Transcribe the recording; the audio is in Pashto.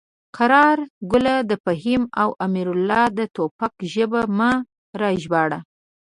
قراره ګله د فهیم او امرالله د ټوپک ژبه مه راژباړه.